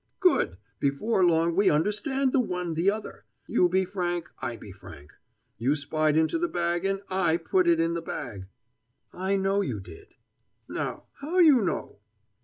"Good! Before long we understand the one the other. You be frank, I be frank. You spied into the bag, and I put it in the bag." "I know you did." "Now, how you know?"